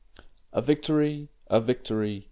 "A VICTORY! a victory!"